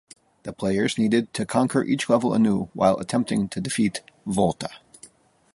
The players needed to conquer each level anew while attempting to defeat Volta.